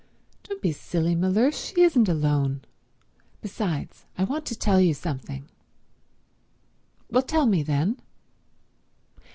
"Don't be silly, Mellersh—she isn't alone. Besides, I want to tell you something." "Well tell me, then."